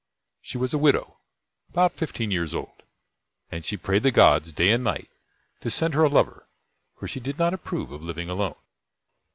She was a widow, about fifteen years old, and she prayed the Gods, day and night, to send her a lover; for she did not approve of living alone.